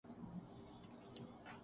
ہندوستان والے ہمیں رشک کی آنکھ سے دیکھتے۔